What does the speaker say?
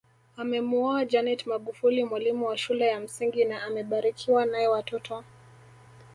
Amemuoa Janet Magufuli mwalimu wa shule ya msingi na amebarikiwa nae watoto